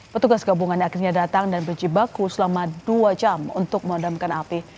petugas gabungan akhirnya datang dan berjibaku selama dua jam untuk memadamkan api